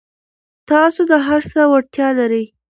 تاسو د هر څه وړتیا لرئ.